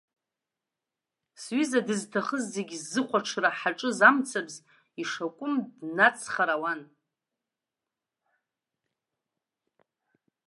Сҩыза дызҭахыз зегьы зыхәаҽра ҳаҿыз амцабз, ишакәым днаҵхар ауан.